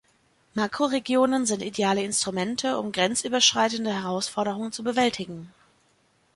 Makroregionen sind ideale Instrumente, um grenzüberschreitende Herausforderungen zu bewältigen.